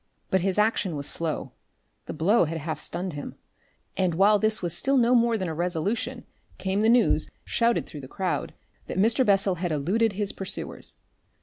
But his action was slow, the blow had half stunned him, and while this was still no more than a resolution came the news, shouted through the crowd, that Mr. Bessel had eluded his pursuers.